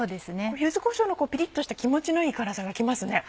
柚子こしょうのピリっとした気持ちのいい辛さが来ますね。